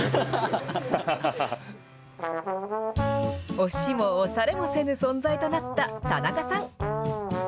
押しも押されもせぬ存在となった田中さん。